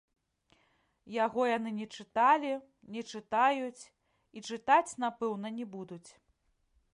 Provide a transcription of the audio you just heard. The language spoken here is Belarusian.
Яго яны не чыталі, не чытаюць і чытаць, напэўна, не будуць.